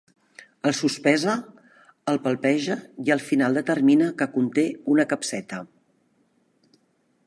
El sospesa, el palpeja i al final determina que conté una capseta.